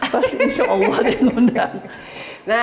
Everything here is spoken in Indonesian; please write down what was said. terus insya allah ada yang undang